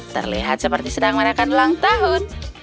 terlihat seperti sedang merayakan ulang tahun